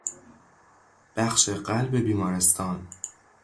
بخش قلب بیمارستان